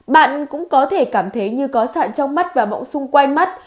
bạn cũng có thể cảm thấy như có sạn trong mắt và bỗng xung quanh mắt